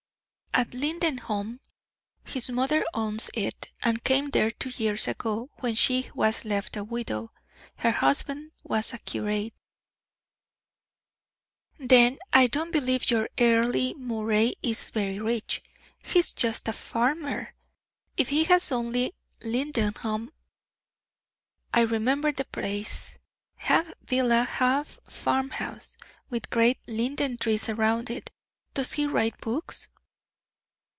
"At Lindenholm his mother owns it, and came there two years ago, when she was left a widow. Her husband was a curate." "Then I don't believe your Earle Moray is very rich. He is just a farmer, if he has only Lindenholm. I remember the place, half villa, half farm house, with great linden trees around it. Does he write books?"